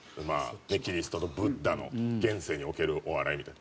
キリストとブッダの現世におけるお笑いみたいな。